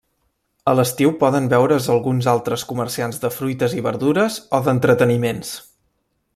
A l'estiu poden veure's alguns altres comerciants de fruites i verdures o d'entreteniments.